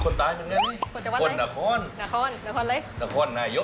คนใต้ครับคนนครนครนายก